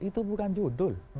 itu bukan judul